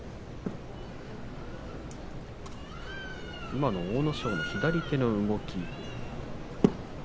今の阿武咲の左手の動き